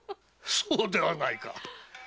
そうではないか。